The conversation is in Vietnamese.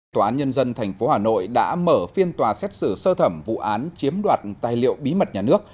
tòa án nhân dân tp hà nội đã mở phiên tòa xét xử sơ thẩm vụ án chiếm đoạt tài liệu bí mật nhà nước